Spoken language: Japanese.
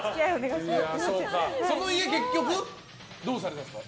その家は結局どうされたんですか。